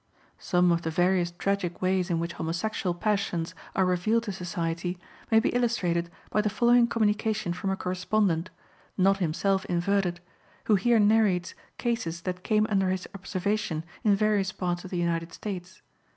Some of the various tragic ways in which homosexual passions are revealed to society may be illustrated by the following communication from a correspondent, not himself inverted, who here narrates cases that came under his observation in various parts of the United States.